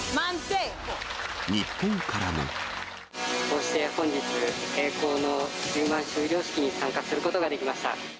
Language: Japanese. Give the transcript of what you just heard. こうして本日、栄光の１０万修了式に参加することができました。